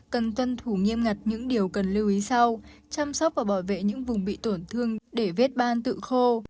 cần tuân thủ nghiêm ngặt những điều cần lưu ý sau chăm sóc và bảo vệ những vùng bị tổn thương để vết ban tự khô